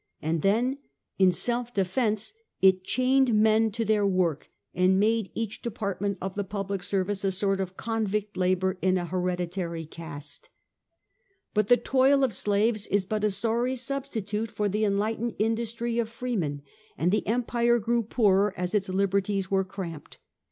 And then, in self defence, it chained men to their work, and made each department of the public service a sort of convict labour in an hereditary caste. But the toil of slaves is but a sorry substitute for the enlightened industry of freemen ; and the empire grew poorer as its liberties were cramped.